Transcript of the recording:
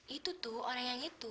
itu tuh orang yang itu